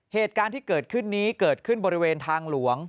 เหตุการณ์ที่เกิดขึ้นนี้เกิดขึ้นบริเวณทางหลวง